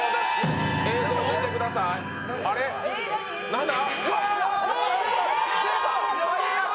何だ！？